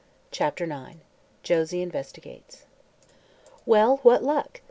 CHAPTER IX JOSIE INVESTIGATES "Well, what luck?"